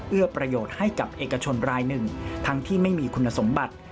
เอื้อประโยชน์ให้กับเอกชนรายหนึ่งทั้งที่ไม่มีคุณสมบัติ